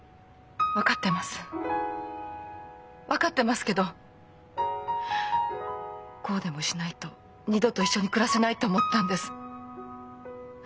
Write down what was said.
分かってます分かってますけどこうでもしないと二度と一緒に暮らせないと思ったんです。